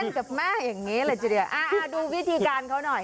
เล่นกับแม่อย่างนี้แหละเจอเดี๋ยวดูวิธีการเขาหน่อย